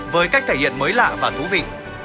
với cách thể hiện mới lạ và thú vị